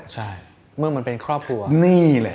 ใช่เมื่อมันเป็นครอบครัวนี่เลย